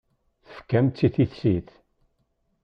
Tefkamt-tt i tissit.